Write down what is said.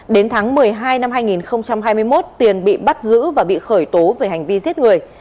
đến tháng một mươi hai năm hai nghìn hai mươi một tiền bị bắt giữ và bị khởi tố về hành vi giết người